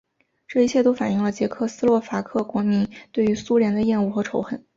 这一切都反映了捷克斯洛伐克国民对于苏联的厌恶和仇恨。